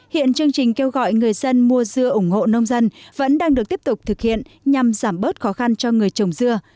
hiện chương trình kêu gọi người dân mua dưa ủng hộ nông dân vẫn đang được tiếp tục thực hiện nhằm giảm bớt khó khăn cho người trồng dưa